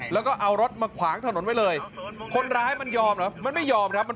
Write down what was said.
แล้วก็เอารถมาขวางถนนไว้เลยคนร้ายมันยอมมันไม่ยอมมันพุ่งชน